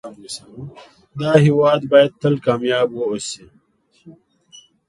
دا هيواد بايد تل کامیاب اوسی